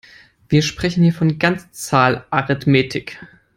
Wir sprechen hier von Ganzzahlarithmetik.